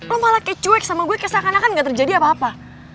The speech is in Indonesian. lo malah kecuek sama gue kayak seakan akan gak terjadi apa apa